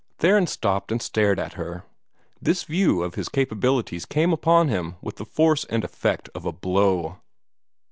Theron stopped and stared at her. This view of his capabilities came upon him with the force and effect of a blow.